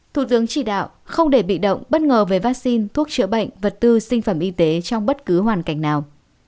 thủ tướng chỉ đạo không để bị động bất ngờ về vaccine thuốc chữa bệnh vật tư sinh phẩm y tế trong bất cứ hoàn cảnh nào